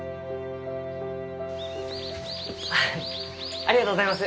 ハハありがとうございます。